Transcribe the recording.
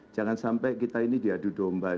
jangan sampai kita ini diadu domba